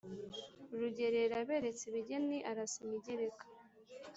Rugerero aberetse ibigeni Arasa imigereka